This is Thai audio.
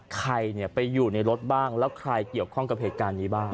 ใครไปอยู่ในรถบ้างแล้วใครเกี่ยวข้องกับเหตุการณ์นี้บ้าง